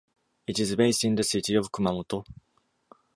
It is based in the city of Kumamoto.